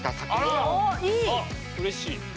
うれしい。